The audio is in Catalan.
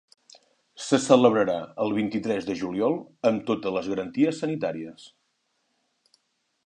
Se celebrarà el vint-i-tres de juliol amb totes les garanties sanitàries.